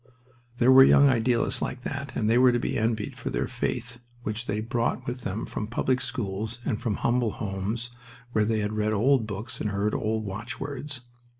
There were young idealists like that, and they were to be envied for their faith, which they brought with them from public schools and from humble homes where they had read old books and heard old watchwords.